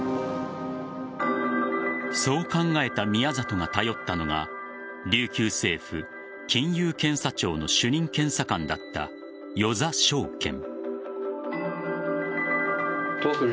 そう考えた宮里が頼ったのが琉球政府金融検査庁の主任検査官だった與座章健。